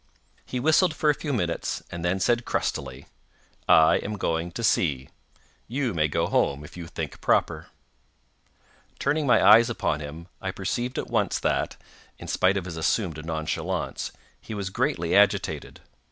He whistled for a few minutes, and then said crustily: "I am going to sea—you may go home if you think proper." Turning my eyes upon him, I perceived at once that, in spite of his assumed nonchalance, he was greatly agitated.